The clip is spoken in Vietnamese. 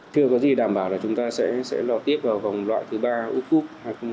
chưa có gì đảm bảo là chúng ta sẽ lọt tiếp vào vòng loại thứ ba u cup hai nghìn hai mươi hai